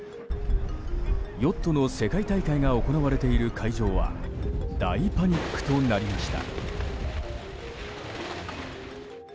ヨットの世界大会が行われている会場は大パニックとなりました。